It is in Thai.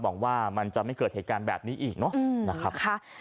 หวังว่ามันจะไม่เกิดเหตุการณ์แบบนี้อีกเนอะนะครับ